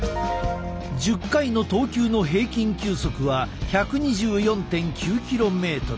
１０回の投球の平均球速は１２４．９キロメートル。